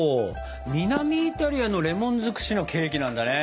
南イタリアのレモン尽くしのケーキなんだね。